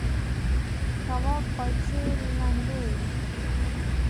تواب پايڅې لندې وې.